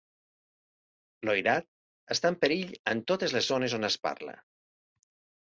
L'oirat està en perill en totes les zones on es parla.